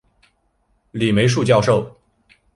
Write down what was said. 李梅树教授